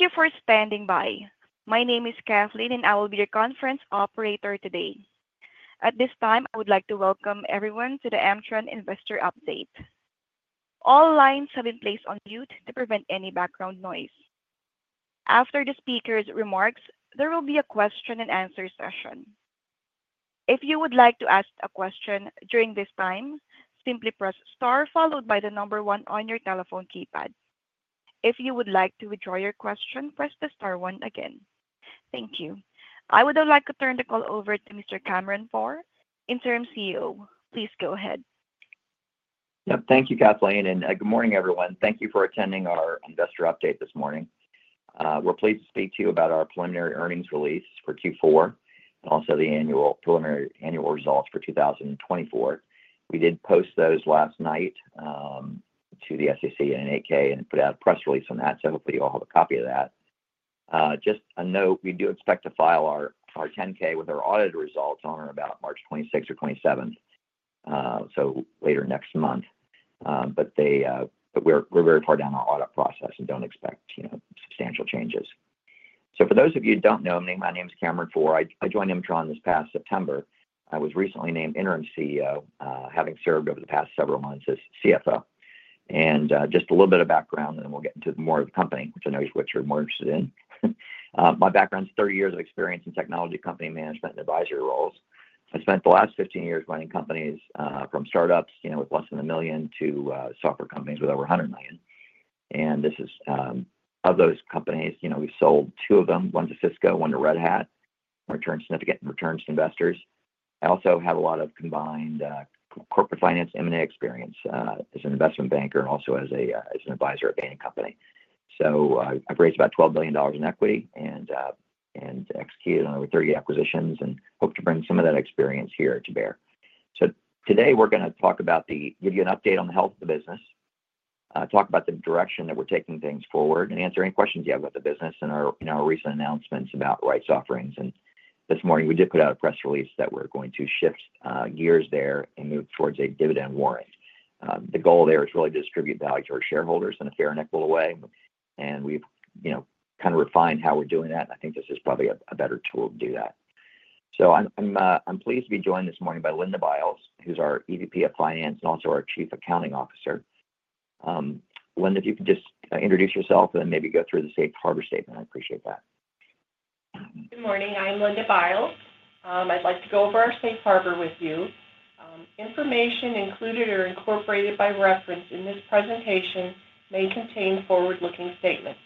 Thank you for standing by. My name is Kathleen, and I will be your conference operator today. At this time, I would like to welcome everyone to the M-tron Investor Update. All lines have been placed on mute to prevent any background noise. After the speaker's remarks, there will be a question-and-answer session. If you would like to ask a question during this time, simply press star followed by the number one on your telephone keypad. If you would like to withdraw your question, press the star one again. Thank you. I would now like to turn the call over to Mr. Cameron Pforr, Interim CEO. Please go ahead. Yep. Thank you, Kathleen. Good morning, everyone. Thank you for attending our Industries Update this morning. We're pleased to speak to you about our preliminary earnings release for Q4, and also the annual preliminary annual results for 2024. We did post those last night to the SEC and 8-K and put out a press release on that, so hopefully you all have a copy of that. Just a note, we do expect to file our 10-K with our audit results on or about March 26th or 27th, later next month. We're very far down our audit process and don't expect substantial changes. For those of you who don't know me, my name is Cameron Pforr. I joined M-tron this past September. I was recently named Interim CEO, having served over the past several months as CFO. Just a little bit of background, and then we'll get into more of the company, which I know is what you're more interested in. My background's 30 years of experience in technology company management and advisory roles. I spent the last 15 years running companies from startups with less than $1 million to software companies with over $100 million. Of those companies, we've sold two of them, one to Cisco, one to Red Hat, returned significant returns to investors. I also have a lot of combined corporate finance M&A experience as an investment banker and also as an advisor at Bain & Company. I've raised about $12 billion in equity and executed on over 30 acquisitions and hope to bring some of that experience here to bear. Today we're going to talk about the give you an update on the health of the business, talk about the direction that we're taking things forward, and answer any questions you have about the business and our recent announcements about rights offerings. This morning we did put out a press release that we're going to shift gears there and move towards a dividend warrant. The goal there is really to distribute value to our shareholders in a fair and equitable way. We've kind of refined how we're doing that. I think this is probably a better tool to do that. I'm pleased to be joined this morning by Linda Biles, who's our EVP of Finance and also our Chief Accounting Officer. Linda, if you could just introduce yourself and then maybe go through the safe harbor statement. I appreciate that. Good morning. I'm Linda Biles. I'd like to go over our safe harbor with you. Information included or incorporated by reference in this presentation may contain forward-looking statements.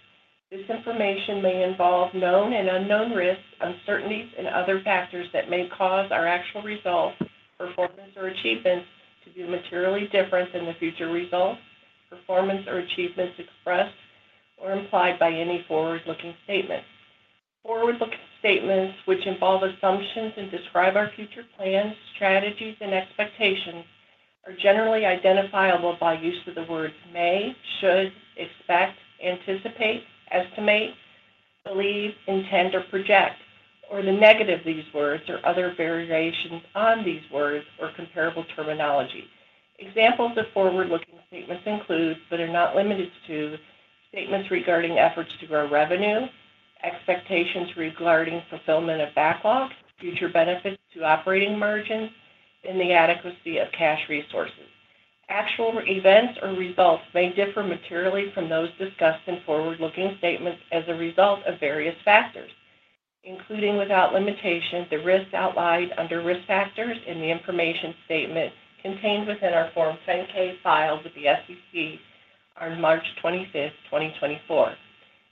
This information may involve known and unknown risks, uncertainties, and other factors that may cause our actual results, performance, or achievements to be materially different than the future results, performance, or achievements expressed or implied by any forward-looking statements. Forward-looking statements, which involve assumptions and describe our future plans, strategies, and expectations, are generally identifiable by use of the words may, should, expect, anticipate, estimate, believe, intend, or project, or the negative of these words or other variations on these words or comparable terminology. Examples of forward-looking statements include, but are not limited to, statements regarding efforts to grow revenue, expectations regarding fulfillment of backlog, future benefits to operating margins, and the adequacy of cash resources. Actual events or results may differ materially from those discussed in forward-looking statements as a result of various factors, including without limitation, the risks outlined under risk factors in the information statement contained within our Form 10-K filed with the SEC on March 25th, 2024.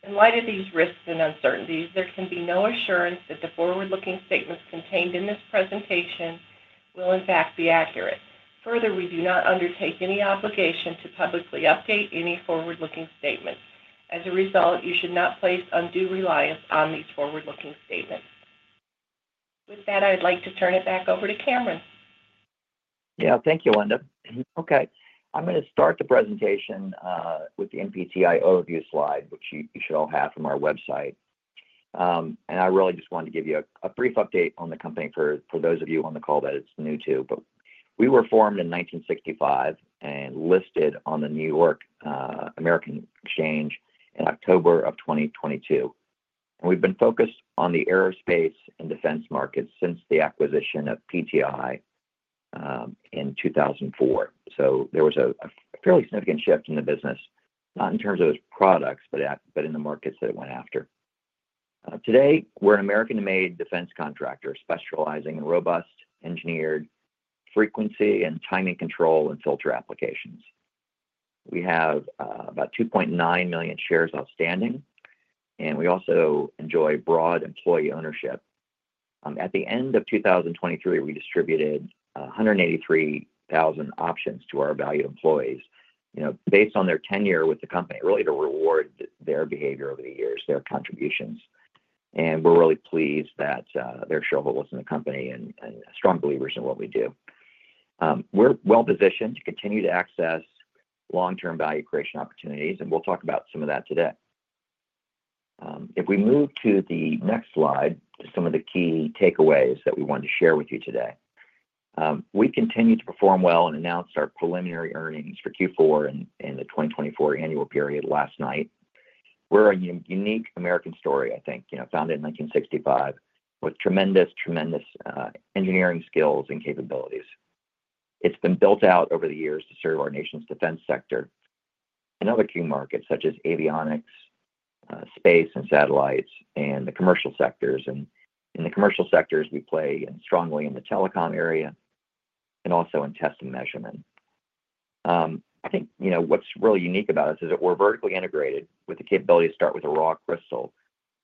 In light of these risks and uncertainties, there can be no assurance that the forward-looking statements contained in this presentation will, in fact, be accurate. Further, we do not undertake any obligation to publicly update any forward-looking statements. As a result, you should not place undue reliance on these forward-looking statements. With that, I'd like to turn it back over to Cameron. Yeah. Thank you, Linda. Okay. I'm going to start the presentation with the MPTI overview slide, which you should all have from our website. I really just wanted to give you a brief update on the company for those of you on the call that it's new to. We were formed in 1965 and listed on the New York American Exchange in October of 2022. We've been focused on the aerospace and defense markets since the acquisition of PTI in 2004. There was a fairly significant shift in the business, not in terms of its products, but in the markets that it went after. Today, we're an American-made defense contractor specializing in robust engineered frequency and timing control and filter applications. We have about 2.9 million shares outstanding, and we also enjoy broad employee ownership. At the end of 2023, we distributed 183,000 options to our valued employees based on their tenure with the company, really to reward their behavior over the years, their contributions. We are really pleased that they're shareholders in the company and strong believers in what we do. We are well-positioned to continue to access long-term value creation opportunities, and we will talk about some of that today. If we move to the next slide, some of the key takeaways that we wanted to share with you today. We continue to perform well and announced our preliminary earnings for Q4 in the 2024 annual period last night. We are a unique American story, I think, founded in 1965 with tremendous, tremendous engineering skills and capabilities. It has been built out over the years to serve our nation's defense sector and other key markets such as avionics, space, and satellites, and the commercial sectors. In the commercial sectors, we play strongly in the telecom area and also in test and measurement. I think what's really unique about us is that we're vertically integrated with the capability to start with a raw crystal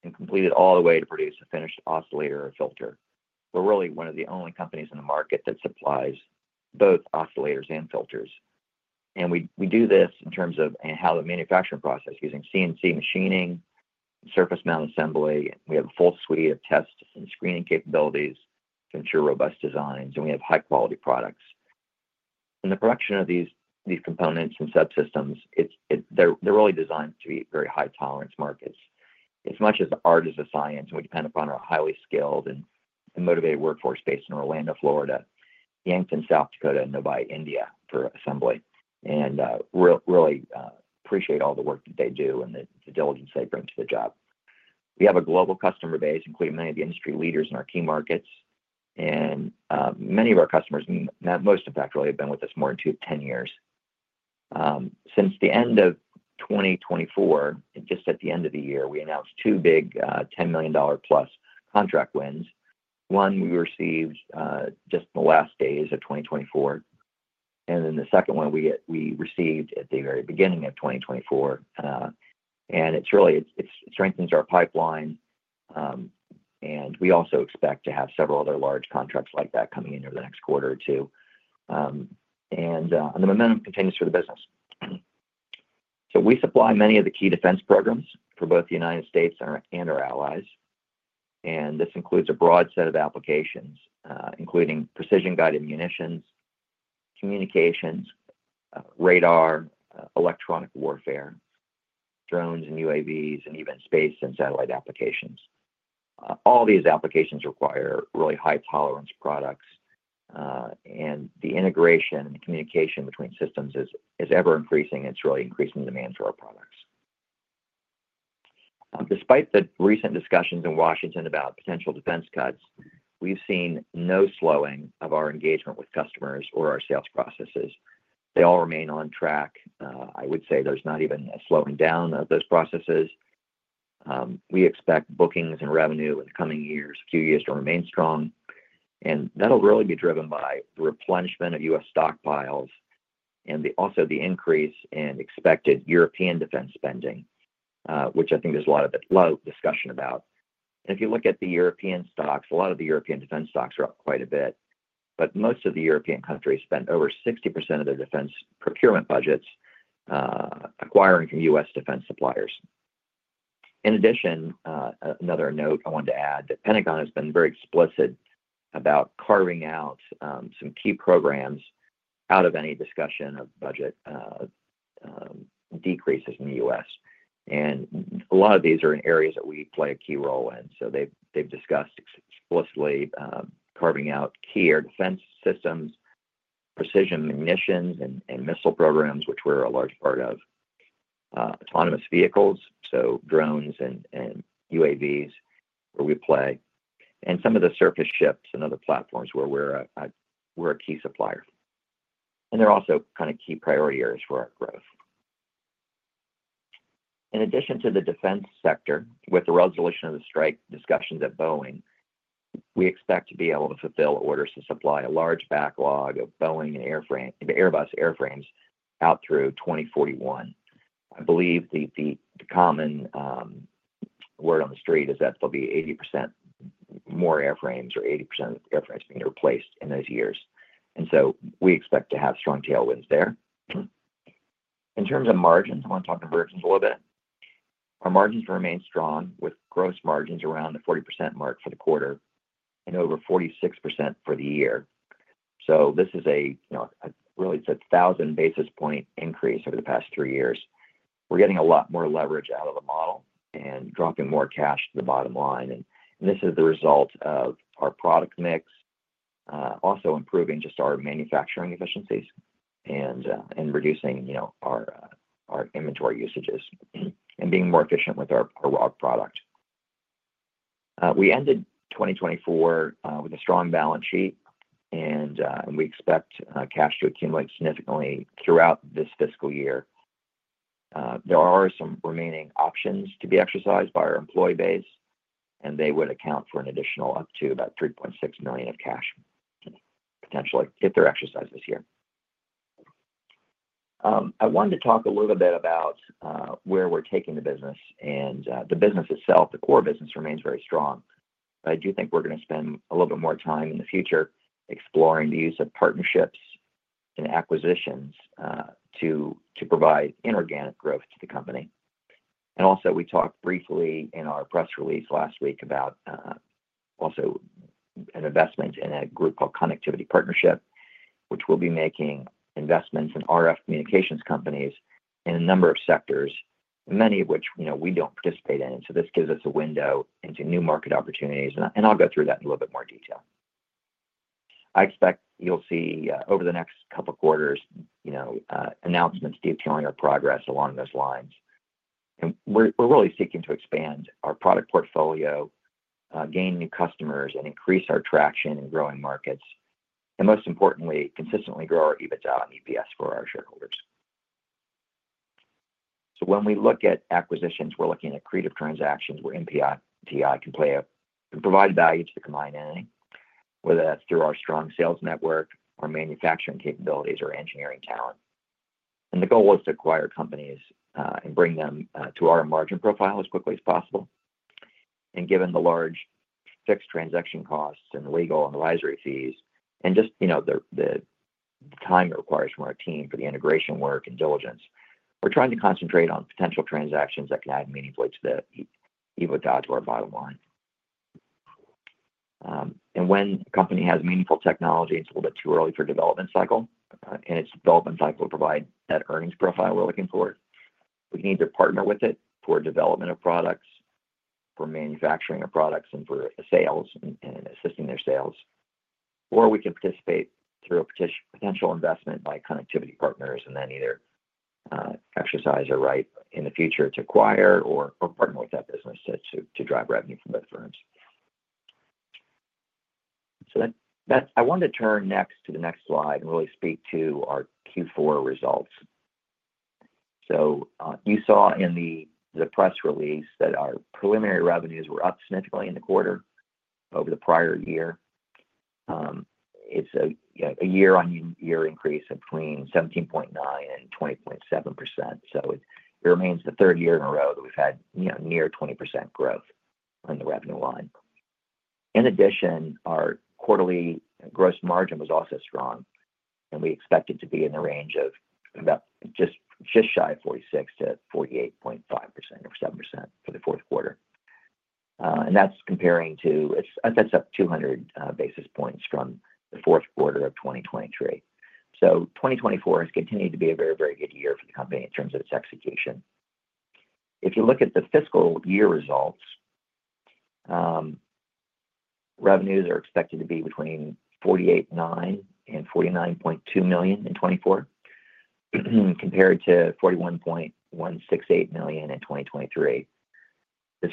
and complete it all the way to produce a finished oscillator or filter. We're really one of the only companies in the market that supplies both oscillators and filters. We do this in terms of how the manufacturing process uses CNC machining and surface mount assembly. We have a full suite of tests and screening capabilities to ensure robust designs, and we have high-quality products. In the production of these components and subsystems, they're really designed to be very high tolerance markets. As much as art is a science, we depend upon our highly skilled and motivated workforce based in Orlando, Florida, Yankton, South Dakota, and Noida, India for assembly. I really appreciate all the work that they do and the diligence they bring to the job. We have a global customer base, including many of the industry leaders in our key markets. Many of our customers, most in fact, really have been with us more than 10 years. At the end of 2024, just at the end of the year, we announced two big $10+ million contract wins. One we received just in the last days of 2024. The second one we received at the very beginning of 2024. It strengthens our pipeline. We also expect to have several other large contracts like that coming in over the next quarter or two. The momentum continues for the business. We supply many of the key defense programs for both the United States and our allies. This includes a broad set of applications, including precision-guided munitions, communications, radar, electronic warfare, drones and UAVs, and even space and satellite applications. All these applications require really high tolerance products. The integration and communication between systems is ever increasing. It is really increasing the demand for our products. Despite the recent discussions in Washington about potential defense cuts, we have seen no slowing of our engagement with customers or our sales processes. They all remain on track. I would say there is not even a slowing down of those processes. We expect bookings and revenue in the coming few years to remain strong. That will really be driven by the replenishment of U.S. stockpiles and also the increase in expected European defense spending, which I think there is a lot of discussion about. If you look at the European stocks, a lot of the European defense stocks are up quite a bit. Most of the European countries spend over 60% of their defense procurement budgets acquiring from U.S. defense suppliers. In addition, another note I wanted to add is that the Pentagon has been very explicit about carving out some key programs out of any discussion of budget decreases in the U.S. A lot of these are in areas that we play a key role in. They have discussed explicitly carving out key air defense systems, precision munitions, and missile programs, which we are a large part of. Autonomous vehicles, so drones and UAVs, where we play. Some of the surface ships and other platforms where we are a key supplier. They are also kind of key priority areas for our growth. In addition to the defense sector, with the resolution of the strike discussions at Boeing, we expect to be able to fulfill orders to supply a large backlog of Boeing and Airbus airframes out through 2041. I believe the common word on the street is that there'll be 80% more airframes or 80% of airframes being replaced in those years. We expect to have strong tailwinds there. In terms of margins, I want to talk convergence a little bit. Our margins remain strong with gross margins around the 40% mark for the quarter and over 46% for the year. This is really a thousand basis point increase over the past three years. We're getting a lot more leverage out of the model and dropping more cash to the bottom line. This is the result of our product mix, also improving just our manufacturing efficiencies and reducing our inventory usages and being more efficient with our raw product. We ended 2024 with a strong balance sheet, and we expect cash to accumulate significantly throughout this fiscal year. There are some remaining options to be exercised by our employee base, and they would account for an additional up to about $3.6 million of cash potentially if they're exercised this year. I wanted to talk a little bit about where we're taking the business. The business itself, the core business, remains very strong. I do think we're going to spend a little bit more time in the future exploring the use of partnerships and acquisitions to provide inorganic growth to the company. We talked briefly in our press release last week about also an investment in a group called Connectivity Partnership, which will be making investments in RF communications companies in a number of sectors, many of which we do not participate in. This gives us a window into new market opportunities. I will go through that in a little bit more detail. I expect you will see over the next couple of quarters announcements detailing our progress along those lines. We are really seeking to expand our product portfolio, gain new customers, and increase our traction in growing markets. Most importantly, we want to consistently grow our EBITDA and EPS for our shareholders. When we look at acquisitions, we are looking at creative transactions where MPTI can provide value to the combined entity, whether that is through our strong sales network, our manufacturing capabilities, or engineering talent. The goal is to acquire companies and bring them to our margin profile as quickly as possible. Given the large fixed transaction costs and legal advisory fees and just the time it requires from our team for the integration work and diligence, we're trying to concentrate on potential transactions that can add meaningfully to the EBITDA to our bottom line. When a company has meaningful technology, it's a little bit too early for development cycle, and its development cycle will provide that earnings profile we're looking for. We need to partner with it for development of products, for manufacturing of products, and for sales and assisting their sales. We can participate through a potential investment by Connectivity Partnership and then either exercise a right in the future to acquire or partner with that business to drive revenue for those firms. I want to turn next to the next slide and really speak to our Q4 results. You saw in the press release that our preliminary revenues were up significantly in the quarter over the prior year. It's a year-on-year increase of between 17.9% and 20.7%. It remains the third year in a row that we've had near 20% growth on the revenue line. In addition, our quarterly gross margin was also strong. We expect it to be in the range of just shy of 46%-48.5% or 47% for the fourth quarter. That's up 200 basis points from the fourth quarter of 2023. 2024 has continued to be a very, very good year for the company in terms of its execution. If you look at the fiscal year results, revenues are expected to be between $48.9 million and $49.2 million in 2024, compared to $41.168 million in 2023. This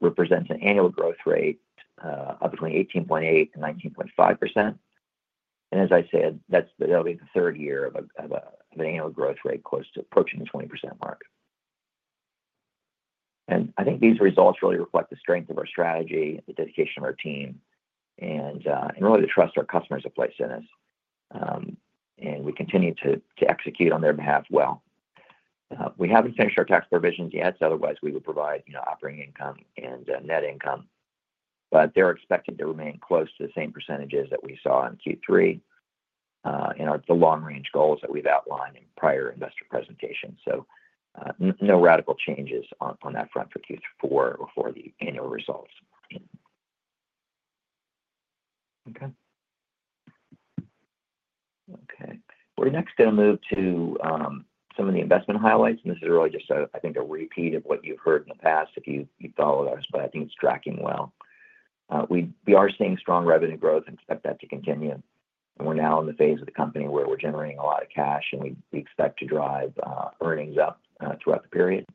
represents an annual growth rate of between 18.8% and 19.5%. As I said, that will be the third year of an annual growth rate close to approaching the 20% mark. I think these results really reflect the strength of our strategy, the dedication of our team, and really the trust our customers have placed in us. We continue to execute on their behalf well. We have not finished our tax provisions yet. Otherwise, we would provide operating income and net income. They are expected to remain close to the same percentages that we saw in Q3 and the long-range goals that we have outlined in prior investor presentations. No radical changes on that front for Q4 or for the annual results. Okay. Okay. We're next going to move to some of the investment highlights. This is really just, I think, a repeat of what you've heard in the past if you follow us, but I think it's tracking well. We are seeing strong revenue growth and expect that to continue. We're now in the phase of the company where we're generating a lot of cash, and we expect to drive earnings up throughout the period.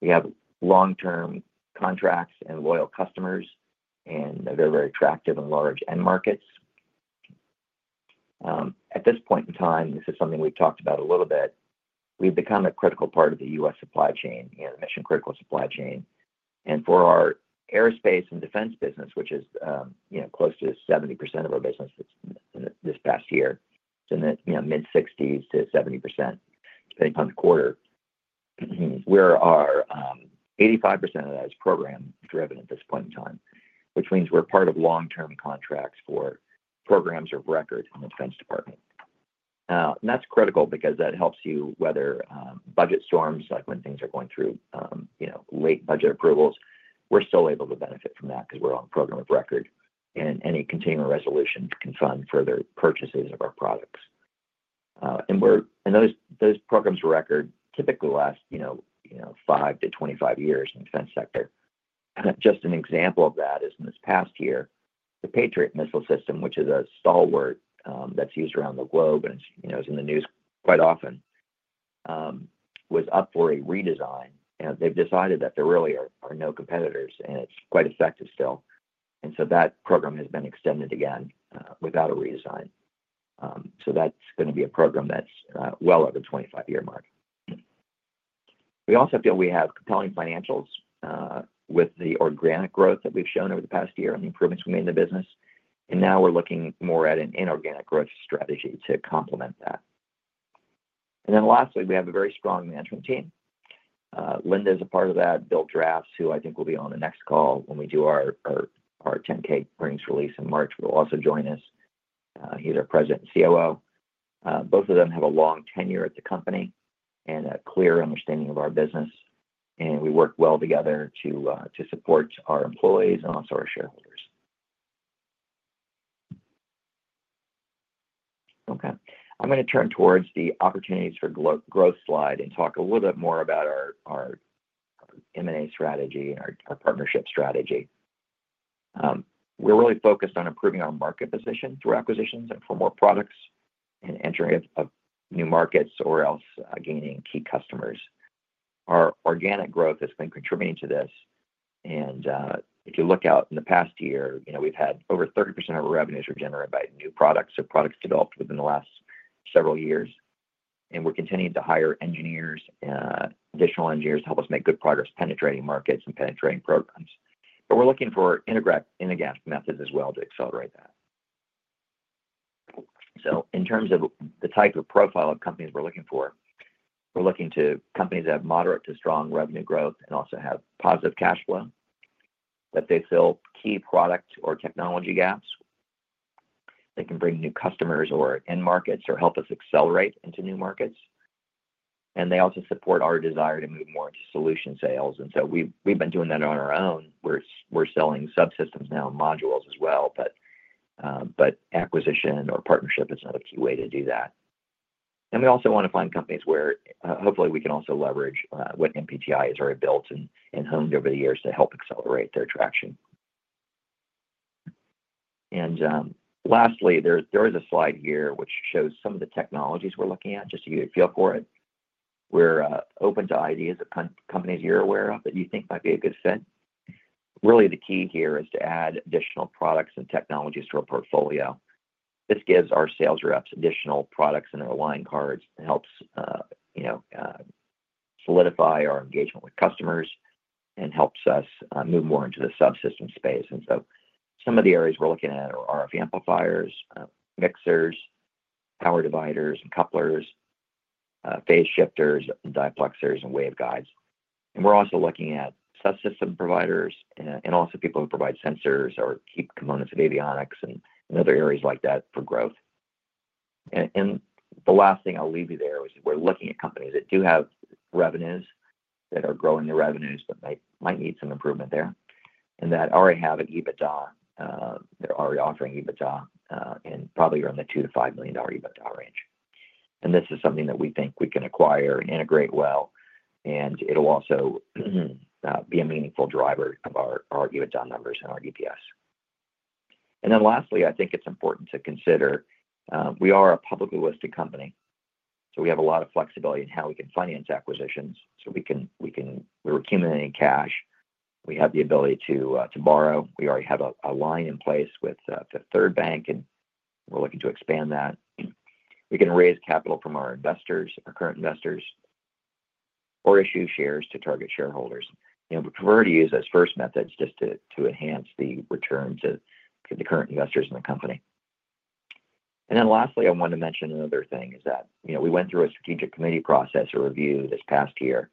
We have long-term contracts and loyal customers in very, very attractive and large end markets. At this point in time, this is something we've talked about a little bit. We've become a critical part of the U.S. supply chain, the mission-critical supply chain. For our aerospace and defense business, which is close to 70% of our business this past year, it's in the mid-60s to 70%, depending upon the quarter. We're 85% of that is program-driven at this point in time, which means we're part of long-term contracts for programs of record in the Defense Department. That is critical because that helps you weather budget storms like when things are going through late budget approvals. We're still able to benefit from that because we're on program of record. Any continuing resolution can fund further purchases of our products. Those programs of record typically last 5-25 years in the defense sector. Just an example of that is in this past year, the Patriot missile system, which is a stalwart that's used around the globe and is in the news quite often, was up for a redesign. They've decided that there really are no competitors, and it's quite effective still. That program has been extended again without a redesign. That's going to be a program that's well over the 25-year mark. We also feel we have compelling financials with the organic growth that we've shown over the past year and the improvements we made in the business. Now we're looking more at an inorganic growth strategy to complement that. Lastly, we have a very strong management team. Linda is a part of that, Bill Drafts, who I think will be on the next call when we do our 10-K earnings release in March. He'll also join us. He's our President and COO. Both of them have a long tenure at the company and a clear understanding of our business. We work well together to support our employees and also our shareholders. Okay. I'm going to turn towards the opportunities for growth slide and talk a little bit more about our M&A strategy and our partnership strategy. We're really focused on improving our market position through acquisitions and for more products and entering new markets or else gaining key customers. Our organic growth has been contributing to this. If you look out in the past year, we've had over 30% of our revenues are generated by new products or products developed within the last several years. We're continuing to hire engineers, additional engineers to help us make good progress penetrating markets and penetrating programs. We're looking for inorganic methods as well to accelerate that. In terms of the type of profile of companies we're looking for, we're looking to companies that have moderate to strong revenue growth and also have positive cash flow, that they fill key product or technology gaps, they can bring new customers or end markets or help us accelerate into new markets. They also support our desire to move more into solution sales. We've been doing that on our own. We're selling subsystems now and modules as well. Acquisition or partnership is another key way to do that. We also want to find companies where hopefully we can also leverage what MPTI has already built and honed over the years to help accelerate their traction. Lastly, there is a slide here which shows some of the technologies we're looking at just to get a feel for it. We're open to ideas of companies you're aware of that you think might be a good fit. Really, the key here is to add additional products and technologies to our portfolio. This gives our sales reps additional products and their line cards. It helps solidify our engagement with customers and helps us move more into the subsystem space. Some of the areas we're looking at are RF amplifiers, mixers, power dividers, couplers, phase shifters, diplexers, and waveguides. We're also looking at subsystem providers and also people who provide sensors or key components of avionics and other areas like that for growth. The last thing I'll leave you there is we're looking at companies that do have revenues that are growing their revenues, but they might need some improvement there. And that already have an EBITDA. They're already offering EBITDA and probably are in the $2 million-$5 million EBITDA range. This is something that we think we can acquire and integrate well. It'll also be a meaningful driver of our EBITDA numbers and our EPS. Lastly, I think it's important to consider, we are a publicly listed company. We have a lot of flexibility in how we can finance acquisitions. We're accumulating cash. We have the ability to borrow. We already have a line in place with a third bank, and we're looking to expand that. We can raise capital from our investors, our current investors, or issue shares to target shareholders. We prefer to use those first methods just to enhance the return to the current investors in the company. Lastly, I wanted to mention another thing is that we went through a strategic committee process or review this past year.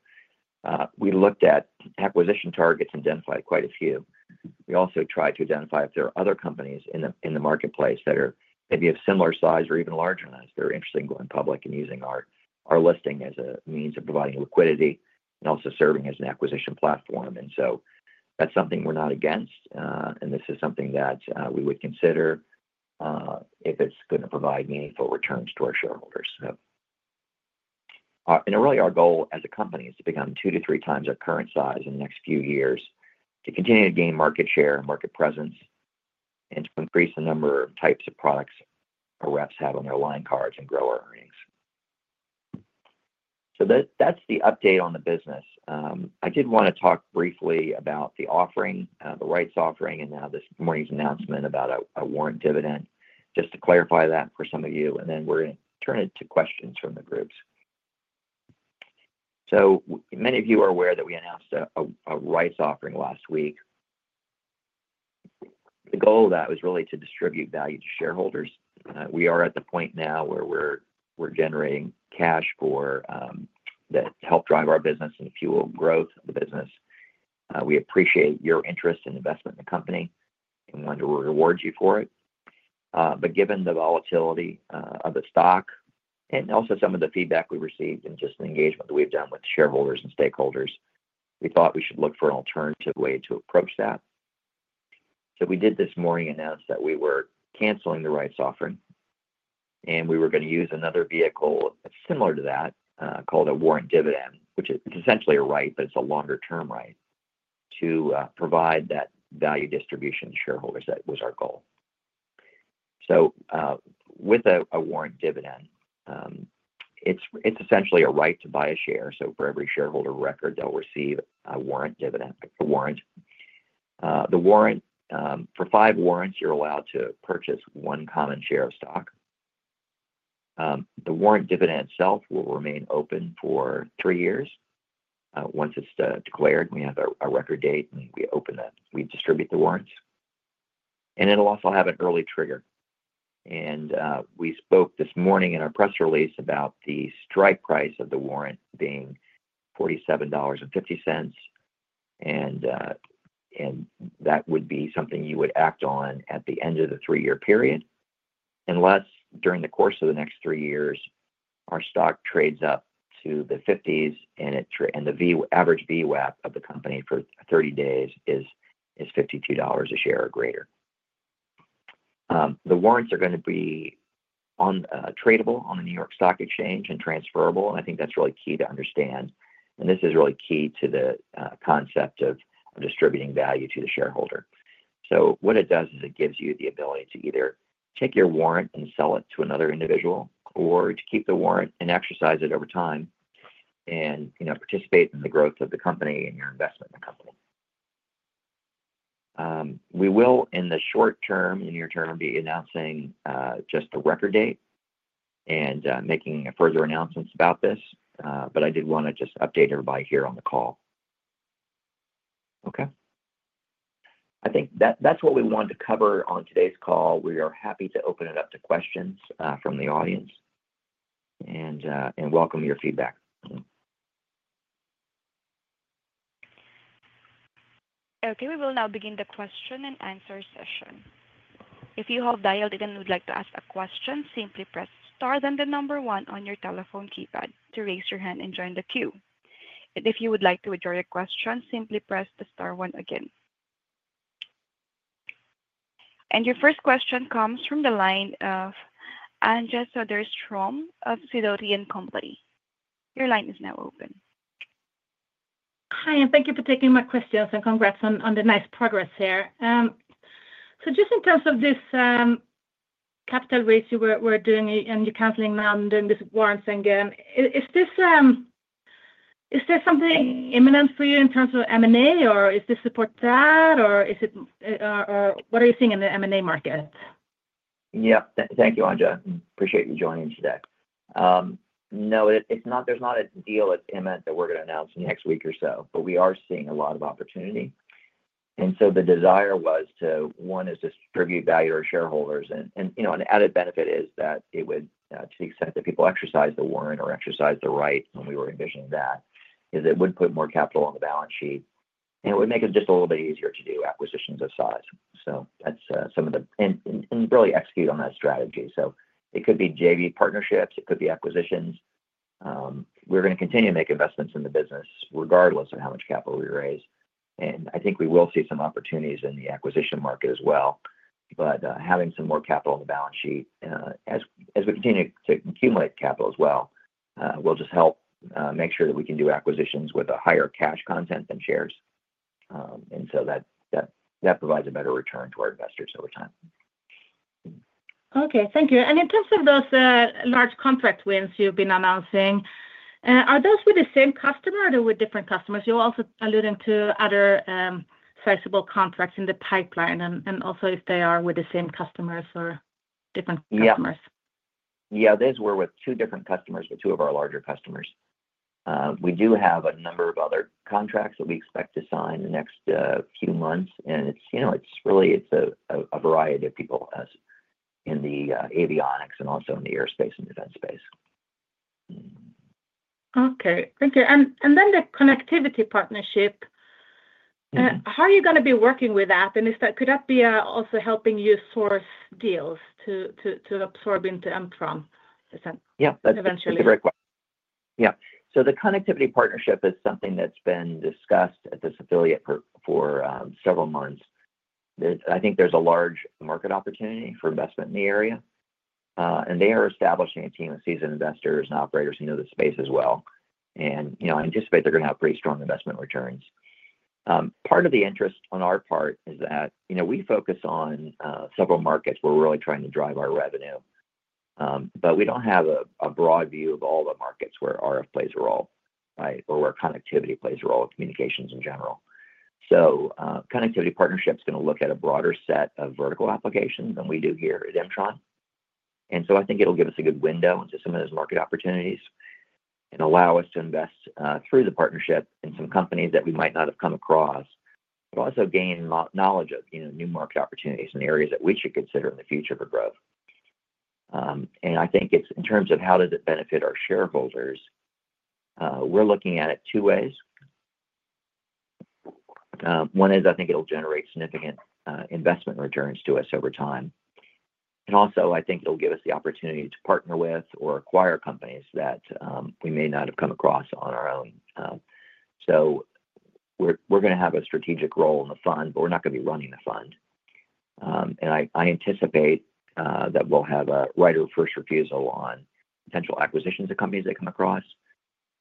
We looked at acquisition targets and identified quite a few. We also tried to identify if there are other companies in the marketplace that maybe have similar size or even larger than us. They're interested in going public and using our listing as a means of providing liquidity and also serving as an acquisition platform. That is something we're not against. This is something that we would consider if it's going to provide meaningful returns to our shareholders. Really, our goal as a company is to become two to three times our current size in the next few years to continue to gain market share and market presence and to increase the number of types of products our reps have on their line cards and grow our earnings. That is the update on the business. I did want to talk briefly about the offering, the rights offering, and now this morning's announcement about a warrant dividend, just to clarify that for some of you. We are going to turn it to questions from the groups. Many of you are aware that we announced a rights offering last week. The goal of that was really to distribute value to shareholders. We are at the point now where we are generating cash that helps drive our business and fuel growth of the business. We appreciate your interest and investment in the company. We wanted to reward you for it. Given the volatility of the stock and also some of the feedback we received and just the engagement that we've done with shareholders and stakeholders, we thought we should look for an alternative way to approach that. We did this morning announce that we were canceling the rights offering. We were going to use another vehicle similar to that called a warrant dividend, which is essentially a right, but it's a longer-term right to provide that value distribution to shareholders. That was our goal. With a warrant dividend, it's essentially a right to buy a share. For every shareholder record, they'll receive a warrant dividend. The warrant, for five warrants, you're allowed to purchase one common share of stock. The warrant dividend itself will remain open for three years. Once it's declared, we have a record date, we open that, we distribute the warrants. It'll also have an early trigger. We spoke this morning in our press release about the strike price of the warrant being $47.50. That would be something you would act on at the end of the three-year period unless during the course of the next three years, our stock trades up to the 50s and the average VWAP of the company for 30 days is $52 a share or greater. The warrants are going to be tradable on the New York Stock Exchange and transferable. I think that's really key to understand. This is really key to the concept of distributing value to the shareholder. What it does is it gives you the ability to either take your warrant and sell it to another individual or to keep the warrant and exercise it over time and participate in the growth of the company and your investment in the company. We will, in the short term, in the near term, be announcing just the record date and making further announcements about this. I did want to just update everybody here on the call. Okay. I think that's what we wanted to cover on today's call. We are happy to open it up to questions from the audience and welcome your feedback. Okay. We will now begin the question and answer session. If you have dialed in and would like to ask a question, simply press star then the number one on your telephone keypad to raise your hand and join the queue. If you would like to withdraw your question, simply press the star one again. Your first question comes from the line of Anja Soderstrom of Sidoti & Company. Your line is now open. Hi. Thank you for taking my question. Congrats on the nice progress here. Just in terms of this capital raise you were doing and you're canceling now and doing this warrant thing again, is there something imminent for you in terms of M&A, or does this support that, or what are you seeing in the M&A market? Thank you, Anja. Appreciate you joining today. No, there's not a deal that's imminent that we're going to announce in the next week or so, but we are seeing a lot of opportunity. The desire was to, one, distribute value to our shareholders. An added benefit is that it would, to the extent that people exercise the warrant or exercise the right, when we were envisioning that, is it would put more capital on the balance sheet. It would make it just a little bit easier to do acquisitions of size. That is some of the and really execute on that strategy. It could be JV partnerships. It could be acquisitions. We are going to continue to make investments in the business regardless of how much capital we raise. I think we will see some opportunities in the acquisition market as well. Having some more capital on the balance sheet, as we continue to accumulate capital as well, will just help make sure that we can do acquisitions with a higher cash content than shares. That provides a better return to our investors over time. Okay. Thank you. In terms of those large contract wins you've been announcing, are those with the same customer or are they with different customers? You're also alluding to other sizable contracts in the pipeline and also if they are with the same customers or different customers. Yeah. Yeah. Those were with two different customers, with two of our larger customers. We do have a number of other contracts that we expect to sign in the next few months. It's really a variety of people in the avionics and also in the airspace and defense space. Okay. Thank you. The connectivity partnership, how are you going to be working with that? Could that be also helping you source deals to absorb into M-tron eventually? Yep. That's a great question. Yeah. The connectivity partnership is something that's been discussed at this affiliate for several months. I think there's a large market opportunity for investment in the area. They are establishing a team of seasoned investors and operators who know the space as well. I anticipate they're going to have pretty strong investment returns. Part of the interest on our part is that we focus on several markets where we're really trying to drive our revenue. We don't have a broad view of all the markets where RF plays a role, right, or where connectivity plays a role in communications in general. Connectivity Partnership is going to look at a broader set of vertical applications than we do here at M-tron. I think it'll give us a good window into some of those market opportunities and allow us to invest through the partnership in some companies that we might not have come across, but also gain knowledge of new market opportunities in areas that we should consider in the future for growth. I think in terms of how does it benefit our shareholders, we're looking at it two ways. One is I think it'll generate significant investment returns to us over time. Also, I think it'll give us the opportunity to partner with or acquire companies that we may not have come across on our own. We're going to have a strategic role in the fund, but we're not going to be running the fund. I anticipate that we'll have a right of first refusal on potential acquisitions of companies that come across.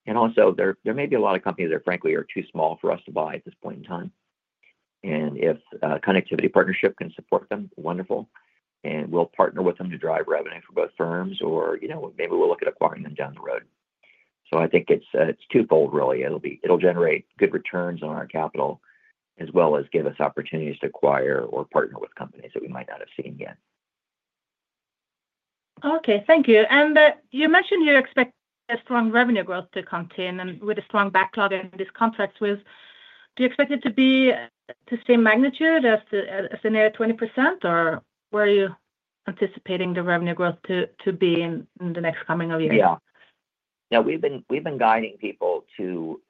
There may be a lot of companies that, frankly, are too small for us to buy at this point in time. If Connectivity Partnership can support them, wonderful. We will partner with them to drive revenue for both firms, or maybe we will look at acquiring them down the road. I think it is twofold, really. It will generate good returns on our capital as well as give us opportunities to acquire or partner with companies that we might not have seen yet. Thank you. You mentioned you expect strong revenue growth to come to them with a strong backlog in these contracts. Do you expect it to be the same magnitude as the near 20%, or where are you anticipating the revenue growth to be in the next coming year? Yeah. Yeah. We've been guiding people to,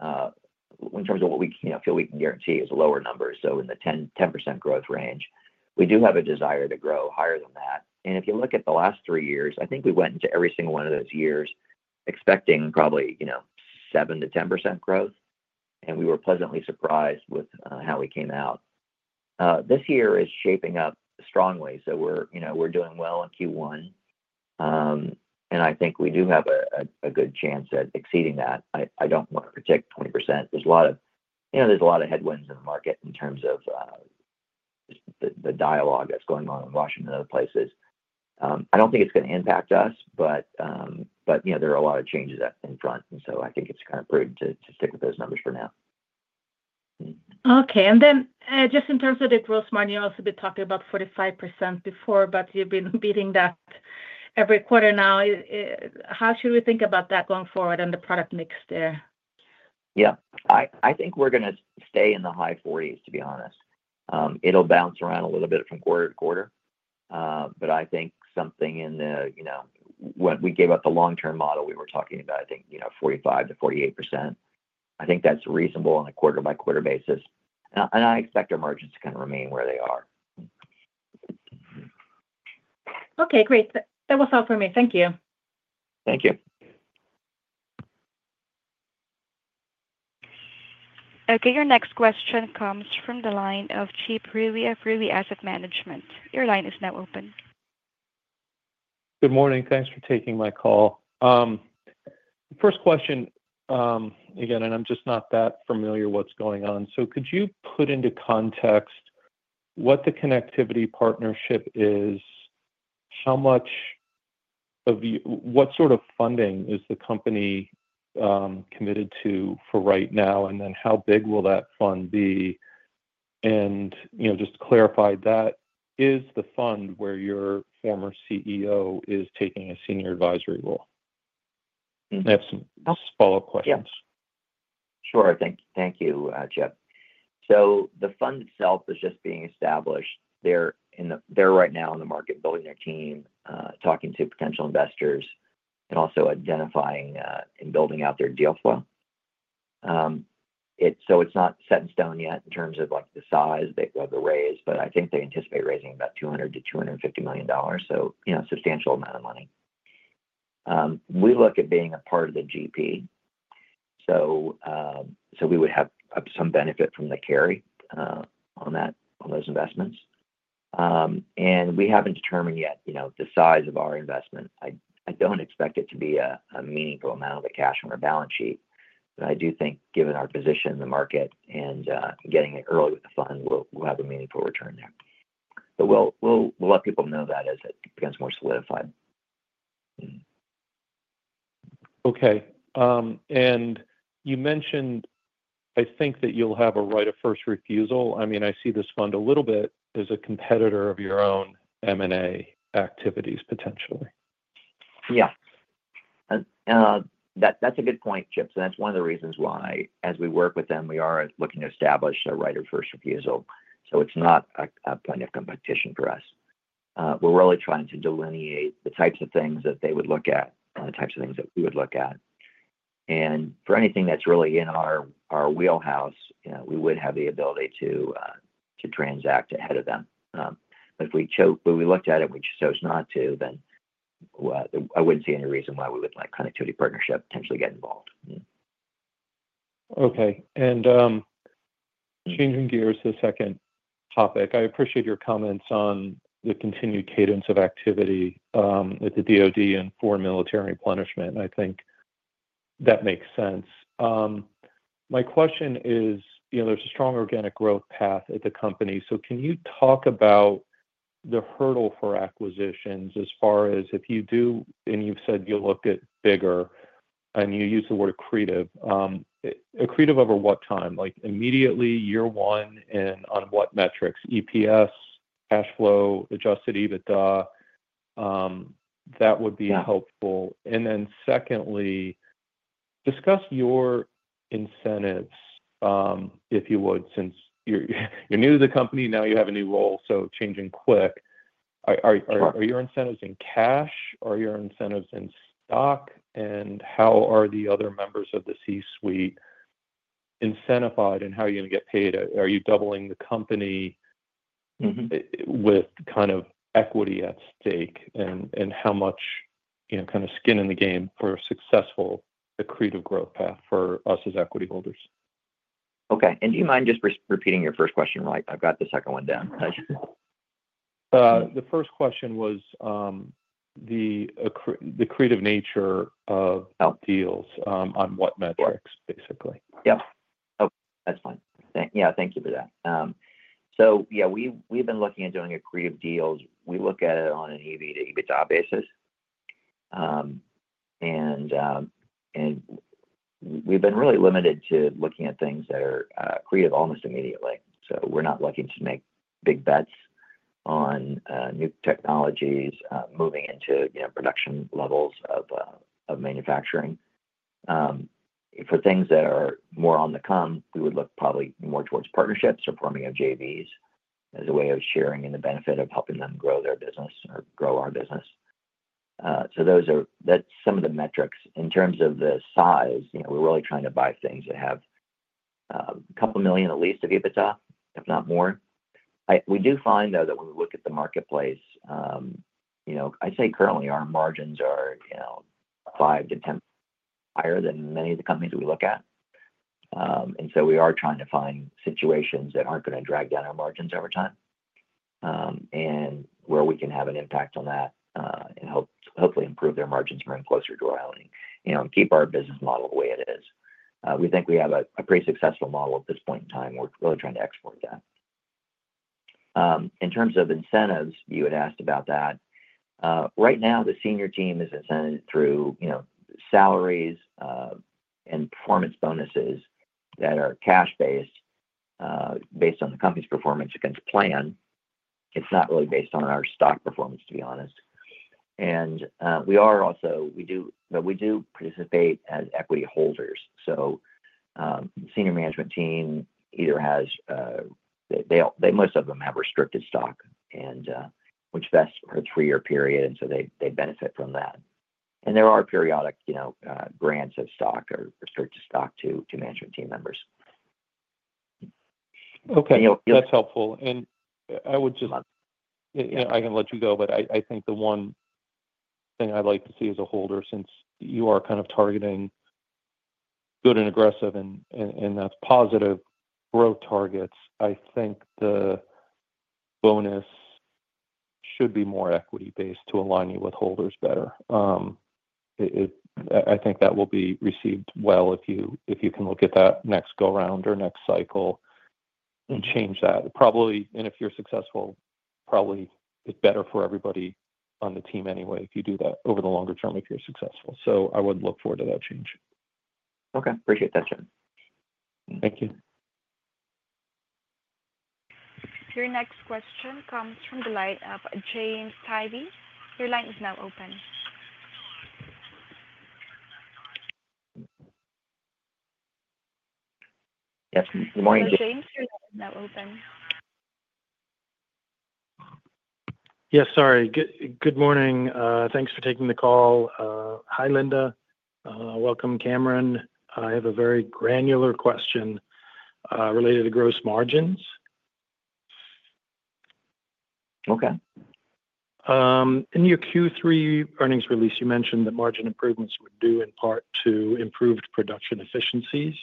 in terms of what we feel we can guarantee, is a lower number. In the 10% growth range, we do have a desire to grow higher than that. If you look at the last three years, I think we went into every single one of those years expecting probably 7-10% growth. We were pleasantly surprised with how we came out. This year is shaping up strongly. We're doing well in Q1. I think we do have a good chance at exceeding that. I don't want to predict 20%. There are a lot of headwinds in the market in terms of the dialogue that's going on in Washington and other places. I don't think it's going to impact us, but there are a lot of changes in front. I think it's kind of prudent to stick with those numbers for now. Okay. In terms of the growth margin, you also been talking about 45% before, but you've been beating that every quarter now. How should we think about that going forward and the product mix there? Yeah. I think we're going to stay in the high 40s, to be honest. It'll bounce around a little bit from quarter to quarter. I think something in the when we gave up the long-term model we were talking about, I think 45%-48%, I think that's reasonable on a quarter-by-quarter basis. I expect our margins to kind of remain where they are. Okay. Great. That was all for me. Thank you. Thank you. Okay. Your next question comes from the line of Chip Rewey of Rewey Asset Management. Your line is now open. Good morning. Thanks for taking my call. First question, again, and I'm just not that familiar with what's going on. Could you put into context what the Connectivity Partnership is? What sort of funding is the company committed to for right now? How big will that fund be? Just to clarify, that is the fund where your former CEO is taking a senior advisory role. I have some follow-up questions. Sure. Thank you, Jeff. The fund itself is just being established. They are right now in the market, building their team, talking to potential investors, and also identifying and building out their deal flow. It is not set in stone yet in terms of the size, the way they will raise. I think they anticipate raising about $200 million-$250 million, so a substantial amount of money. We look at being a part of the GP. So we would have some benefit from the carry on those investments. We haven't determined yet the size of our investment. I don't expect it to be a meaningful amount of cash on our balance sheet. I do think, given our position in the market and getting in early with the fund, we'll have a meaningful return there. We'll let people know that as it becomes more solidified. Okay. You mentioned, I think, that you'll have a right of first refusal. I mean, I see this fund a little bit as a competitor of your own M&A activities, potentially. Yeah. That's a good point, Chip. That's one of the reasons why, as we work with them, we are looking to establish a right of first refusal. It's not a point of competition for us. We're really trying to delineate the types of things that they would look at and the types of things that we would look at. For anything that's really in our wheelhouse, we would have the ability to transact ahead of them. If we looked at it and we chose not to, then I wouldn't see any reason why we wouldn't let Connectivity Partnership potentially get involved. Okay. Changing gears to the second topic, I appreciate your comments on the continued cadence of activity at the DOD and foreign military replenishment. I think that makes sense. My question is, there's a strong organic growth path at the company. Can you talk about the hurdle for acquisitions as far as if you do, and you've said you'll look at bigger, and you use the word accretive. Accretive over what time? Immediately, year one, and on what metrics? EPS, cash flow, adjusted EBITDA? That would be helpful. Secondly, discuss your incentives, if you would, since you're new to the company. Now you have a new role, so changing quick. Are your incentives in cash? Are your incentives in stock? How are the other members of the C-suite incentivized, and how are you going to get paid? Are you doubling the company with kind of equity at stake, and how much kind of skin in the game for a successful accretive growth path for us as equity holders? Okay. Do you mind just repeating your first question? I've got the second one down. The first question was the accretive nature of deals on what metrics, basically. Yep. That's fine. Thank you for that. We've been looking at doing accretive deals. We look at it on an EBITDA/EBITDA basis. We have been really limited to looking at things that are accretive almost immediately. We are not looking to make big bets on new technologies moving into production levels of manufacturing. For things that are more on the come, we would look probably more towards partnerships or forming of JVs as a way of sharing in the benefit of helping them grow their business or grow our business. That is some of the metrics. In terms of the size, we are really trying to buy things that have a couple of million, at least, of EBITDA, if not more. We do find, though, that when we look at the marketplace, I would say currently our margins are 5-10 times higher than many of the companies we look at. We are trying to find situations that are not going to drag down our margins over time and where we can have an impact on that and hopefully improve their margins more and closer to ours and keep our business model the way it is. We think we have a pretty successful model at this point in time. We are really trying to export that. In terms of incentives, you had asked about that. Right now, the senior team is incentivized through salaries and performance bonuses that are cash-based based on the company's performance against plan. It is not really based on our stock performance, to be honest. We do participate as equity holders. The senior management team either has, most of them have, restricted stock, which vests for a three-year period. They benefit from that. There are periodic grants of stock or restricted stock to management team members. Okay. That's helpful. I would just, I can let you go. I think the one thing I'd like to see as a holder, since you are kind of targeting good and aggressive and that's positive growth targets, I think the bonus should be more equity-based to align you with holders better. I think that will be received well if you can look at that next go-round or next cycle and change that. If you're successful, probably it's better for everybody on the team anyway if you do that over the longer term if you're successful. I would look forward to that change. Okay. Appreciate that, Jim. Thank you. Your next question comes from the line of James Tivy. Your line is now open. Yes. Good morning, Jim. James, your line is now open. Yes. Sorry. Good morning. Thanks for taking the call. Hi, Linda. Welcome, Cameron. I have a very granular question related to gross margins. Okay. In your Q3 earnings release, you mentioned that margin improvements were due in part to improved production efficiencies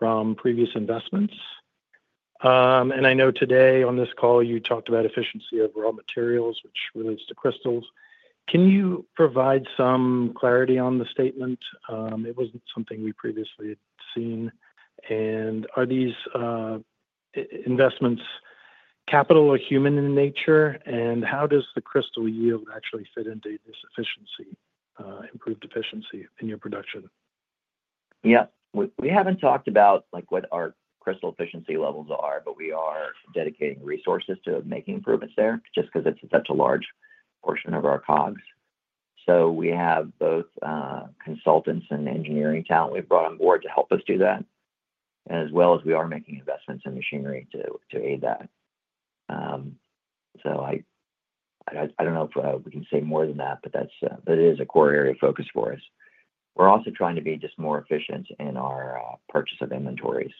from previous investments. I know today on this call, you talked about efficiency overall materials, which relates to crystals. Can you provide some clarity on the statement? It was not something we previously had seen. Are these investments capital or human in nature? How does the crystal yield actually fit into this efficiency, improved efficiency in your production? Yeah. We have not talked about what our crystal efficiency levels are, but we are dedicating resources to making improvements there just because it is such a large portion of our COGS. We have both consultants and engineering talent we've brought on board to help us do that, as well as we are making investments in machinery to aid that. I don't know if we can say more than that, but it is a core area of focus for us. We're also trying to be just more efficient in our purchase of inventories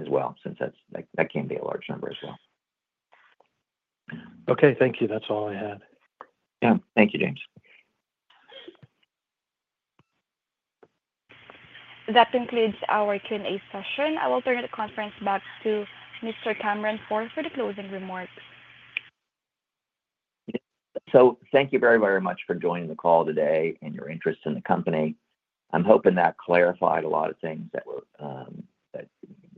as well, since that can be a large number as well. Okay. Thank you. That's all I had. Yeah. Thank you, James. That concludes our Q&A session. I will turn the conference back to Mr. Cameron Pforr for the closing remarks. Thank you very, very much for joining the call today and your interest in the company. I'm hoping that clarified a lot of things that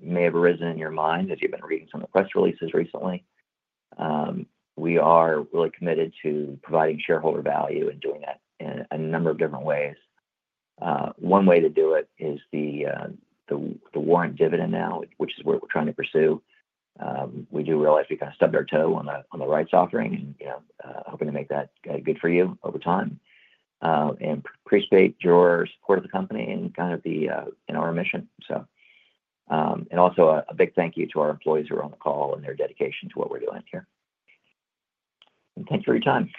may have arisen in your mind as you've been reading some of the press releases recently. We are really committed to providing shareholder value and doing that in a number of different ways. One way to do it is the warrant dividend now, which is what we're trying to pursue. We do realize we kind of stubbed our toe on the rights offering and hoping to make that good for you over time and appreciate your support of the company and kind of be in our mission. Also a big thank you to our employees who are on the call and their dedication to what we're doing here. Thanks for your time.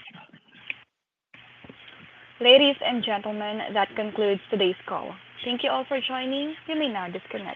Ladies and gentlemen, that concludes today's call. Thank you all for joining. You may now disconnect.